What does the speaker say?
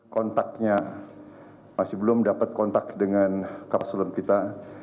kontaknya masih belum dapat kontak dengan kapal selam kita